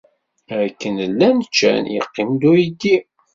Akken llan ččan, yeqqim-d uydi.